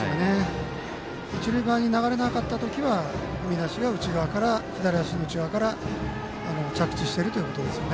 一塁側に流れなかった時は踏み出しが左足の内側から着地してるということです。